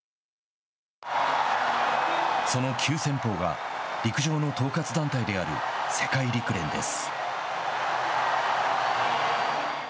その急先鋒が陸上の統括団体である世界陸連です。